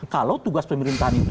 kalau tugas pemerintahan itu